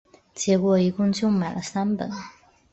结果就一共买了三本